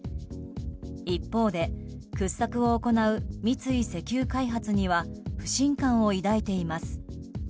一方で、掘削を行う三井石油開発には不信感を抱いています。